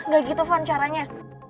gak gitu fun caranya